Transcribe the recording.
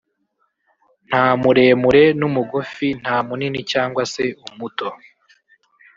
nta muremure n’umugufi nta munini cyangwa se umuto